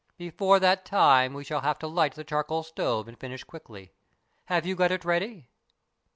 Before that time we shall have to light the charcoal stove and finish quickly. Have you got it ready